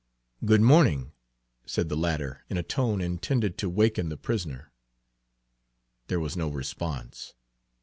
"Good morning," said the latter, in a tone intended to waken the prisoner. There was no response.